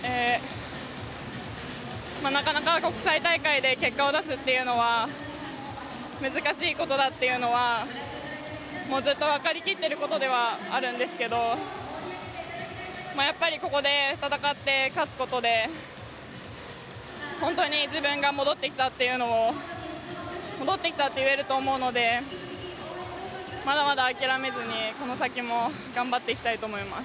なかなか国際大会で結果を出すっていうのは難しいことだというのはずっとわかり切ってることではあるんですけどやっぱりここで戦って勝つことで本当に自分が戻ってきたと言えると思うのでまだまだ諦めずにこの先も頑張っていきたいと思います。